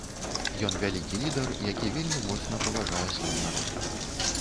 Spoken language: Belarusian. Ён вялікі лідар, які вельмі моцна паважае свой народ.